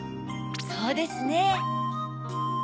そうですね。ねぇ！